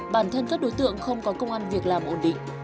bản thân các đối tượng không có công an việc làm ổn định